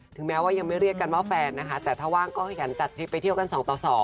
แม้ว่ายังไม่เรียกกันว่าแฟนนะคะแต่ถ้าว่างก็ขยันจัดทริปไปเที่ยวกัน๒ต่อ๒